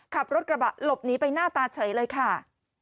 ขับรถกระบะหลบหนีไปหน้าตาเฉยเลยค่ะ